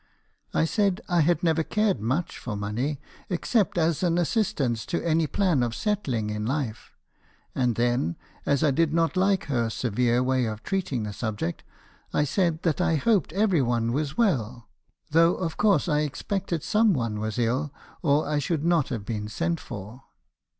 "I said 1 had never cared much for money, except as an as sistance to any plan of settling in life ; and then , as I did not like her severe way of treating the subject, I said that I hoped every one was well; though of course I expected some one was ill, or I should not have been sent for.